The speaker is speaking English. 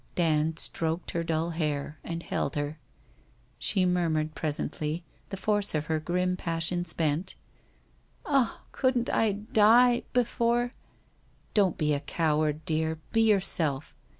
Dand stroked her dull hair, and held her. She mur mured presently, the force of her grim passion spent 'Ah, couldn't I die — before '' Don't be a coward, dear. Be yourself.